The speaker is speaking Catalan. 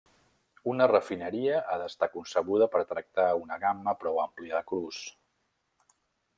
Una refineria ha d'estar concebuda per tractar una gamma prou àmplia de crus.